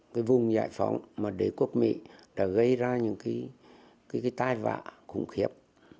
cái vùng giải phóng mà đế quốc mỹ đã gây ra những cái tai vạ khủng khiếp